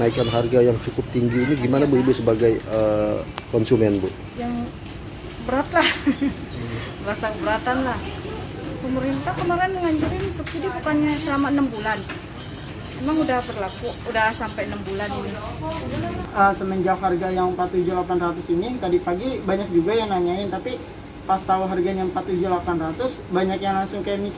tapi pas tau harganya empat puluh tujuh ribu delapan ratus banyak yang langsung kayak mikir dua kali gitu buat beli gitu loh mas